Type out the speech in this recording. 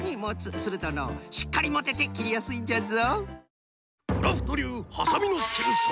するとのうしっかりもてて切りやすいんじゃぞ。